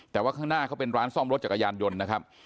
แต่ว่าข้างหน้าเขาเป็นร้านซ่อมรถจักรยานยนต์นะครับ